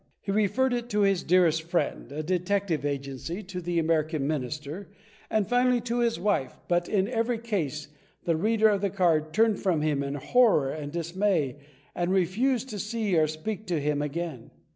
He referred it to his dearest friend, to a detective agency, to the American Minister, and finally to his wife, but in every case the reader of the card turned from him in horror and dismay and refused to see or speak to him again.